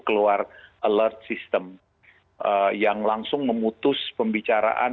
keluar alert system yang langsung memutus pembicaraan